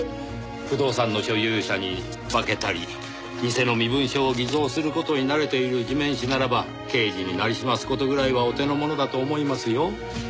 不動産の所有者に化けたり偽の身分証を偽造する事に慣れている地面師ならば刑事になりすます事ぐらいはお手のものだと思いますよ。